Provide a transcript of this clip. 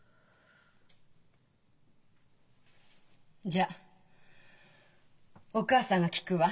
じゃあお母さんが聞くわ。